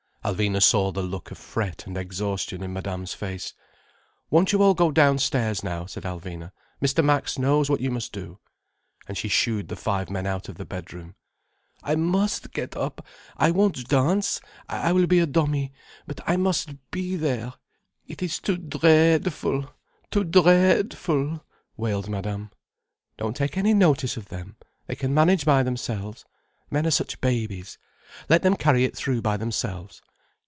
Alvina saw the look of fret and exhaustion in Madame's face. "Won't you all go downstairs now?" said Alvina. "Mr. Max knows what you must do." And she shooed the five men out of the bedroom. "I must get up. I won't dance. I will be a dummy. But I must be there. It is too dre eadful, too dre eadful!" wailed Madame. "Don't take any notice of them. They can manage by themselves. Men are such babies. Let them carry it through by themselves."